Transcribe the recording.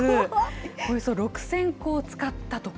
およそ６０００個を使ったとか。